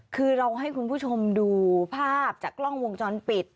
คือเราให้คุณผู้ชมดูภาพจากกล้องวงจรปิด